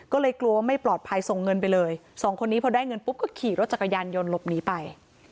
ก็เลยกลัวว่าไม่ปลอดภัยส่งเงินไปเลยสองคนนี้พอได้เงินปุ๊บก็ขี่รถจักรยานยนต์หลบหนีไป